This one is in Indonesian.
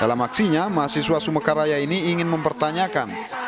dalam aksinya mahasiswa sumekaraya ini ingin mempertanyakan